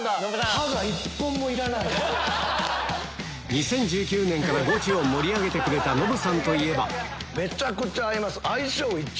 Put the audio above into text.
２０１９年からゴチを盛り上げてくれたノブさんといえばめちゃくちゃ合います。